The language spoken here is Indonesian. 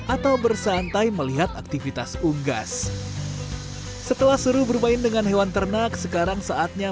atau bersantai melihat aktivitas unggas setelah seru bermain dengan hewan ternak sekarang saatnya